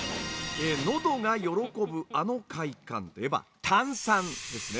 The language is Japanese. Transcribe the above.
のどが喜ぶあの快感といえば「炭酸」ですね。